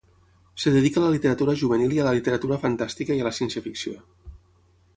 Es dedica a la literatura juvenil i a la literatura fantàstica i a la ciència-ficció.